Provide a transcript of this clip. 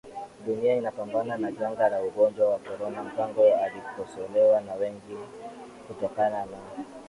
dunia inapambana na janga la ugonjwa wa Corona Mpango alikosolewa na wengi kutokana na